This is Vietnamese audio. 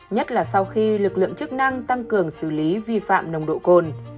nhất là sau khi lực lượng chức năng tăng cường xử lý vi phạm nồng độ cồn